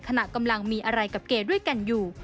ขณะกำลังมีอะไรกับเกด้วยกันอยู่